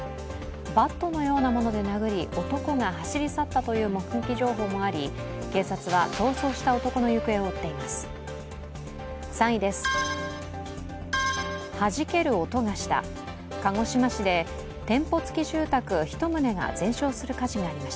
バットのようなもので殴り男が走り去ったという目撃情報もあり警察は逃走した男の行方を追っています。